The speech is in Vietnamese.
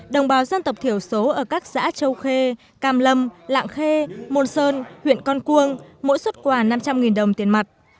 đồng bào dân tộc thiểu số ở các xã châu khê cam lâm lạng khê môn sơn huyện con cuông mỗi xuất quà năm trăm linh đồng tiền mặt